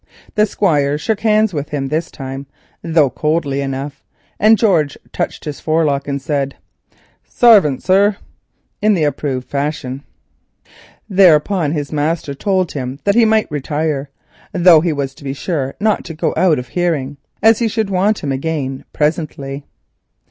The Squire shook hands with him this time, though coldly enough, and George touched his forelock and said, "Sarvant, sir," in the approved fashion. Thereon his master told him that he might retire, though he was to be sure not to go out of hearing, as he should want him again presently.